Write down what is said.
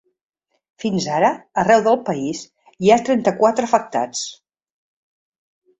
Fins ara, arreu del país, hi ha trenta-quatre afectats.